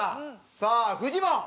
さあフジモン。